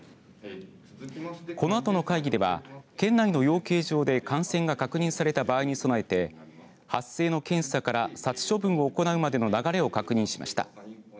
このあとの会議では県内の養鶏場で感染が確認された場合に備えて発生の検査から殺処分を行うまでの流れを確認しました。